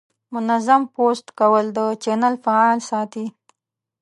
منظم پوسټ کول د چینل فعال ساتي.